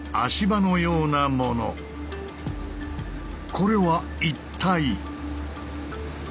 これは一体？